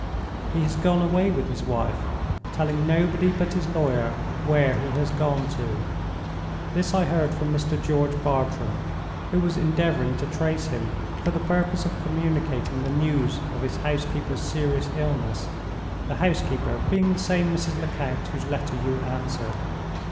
He has gone away with his wife, telling nobody but his lawyer where he has gone to. This I heard from Mr. George Bartram, who was endeavoring to trace him, for the purpose of communicating the news of his housekeeper's serious illness—the housekeeper being the same Mrs. Lecount whose letter you answered.